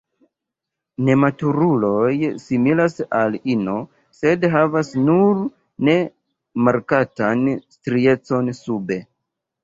Nematuruloj similas al ino, sed havas nur ne markatan striecon sube.